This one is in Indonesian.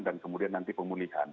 dan kemudian nanti pemulihan